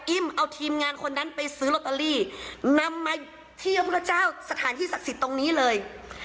เอาทีมงานคนนั้นไปซื้อลอตเตอรี่นำมาเที่ยวพุทธเจ้าสถานที่ศักดิ์สิทธิ์ตรงนี้เลย